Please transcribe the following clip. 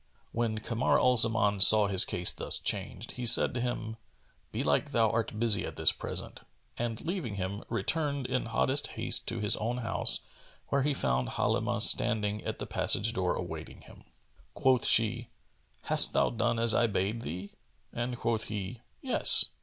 When Kamar al Zaman saw his case thus changed, he said to him, "Belike thou art busy at this present," and leaving him, returned in hottest haste to his own house, where he found Halimah standing at the passage door awaiting him. Quoth she "Hast thou done as I bade thee?"; and quoth he, "Yes."